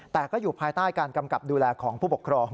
แต่ก็อยู่ภายใต้การกำกับดูแลของผู้ปกครอง